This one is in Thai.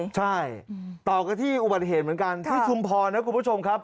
ใช่ต่อกันที่อุบัติเหตุเหมือนกันที่ชุมพรนะคุณผู้ชมครับ